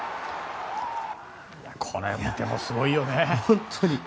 これを見てもすごいよね。